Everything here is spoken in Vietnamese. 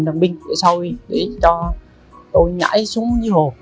đèn pin để cho tôi nhảy xuống dưới hồ